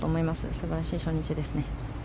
素晴らしい初日ですね。